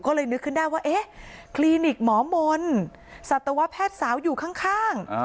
ก็เลยนึกขึ้นได้ว่าเอ๊ะคลินิกหมอมนต์สัตวแพทย์สาวอยู่ข้าง